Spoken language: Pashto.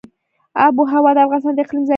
آب وهوا د افغانستان د اقلیم ځانګړتیا ده.